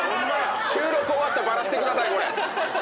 収録終わったらバラしてくださいこれ。